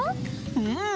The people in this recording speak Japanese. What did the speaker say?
うん！